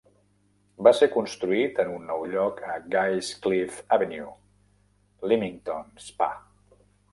Va ser construït en un nou lloc a Guy's Cliffe Avenue, Leamington Spa.